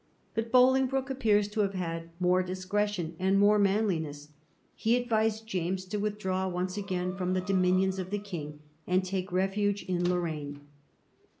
But Bolingbroke appears to have had more discretion and more manliness. He advised James to withdraw once again from the dominions of the King, and take refuge in Lorraine.